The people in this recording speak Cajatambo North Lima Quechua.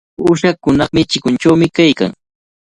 Uyshakunaqa chikunchawmi kaykan.